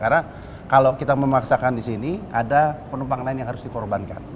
karena kalau kita memaksakan di sini ada penumpang lain yang harus dikorbankan